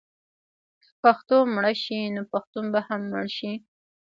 که پښتو مړه شي نو پښتون به هم مړ شي.